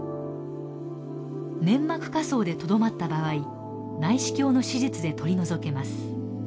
粘膜下層でとどまった場合内視鏡の手術で取り除けます。